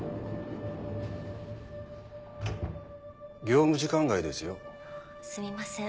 ・業務時間外ですよ。すみません。